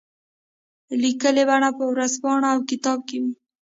لیکلي بڼه په ورځپاڼه او کتاب کې وي.